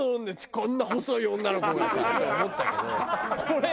こんな細い女の子がさって思ったけど。